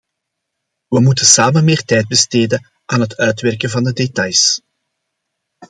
We moeten samen meer tijd besteden aan het uitwerken van de details.